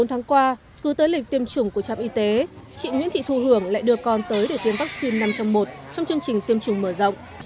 bốn tháng qua cứ tới lịch tiêm chủng của trạm y tế chị nguyễn thị thu hưởng lại đưa con tới để tiêm vaccine năm trong một trong chương trình tiêm chủng mở rộng